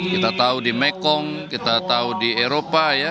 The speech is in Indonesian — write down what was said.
kita tahu di mekong kita tahu di eropa ya